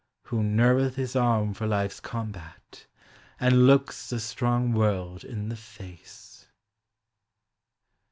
Who nerveth his arm for life's combat, and looks the strong world in the face.